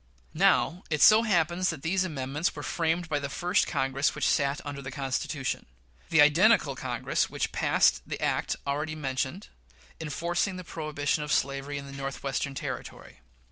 Now, it so happens that these amendments were framed by the first Congress which sat under the Constitution the identical Congress which passed the act already mentioned, enforcing the prohibition of slavery in the Northwestern Territory.